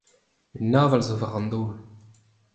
Un aval zo war an daol.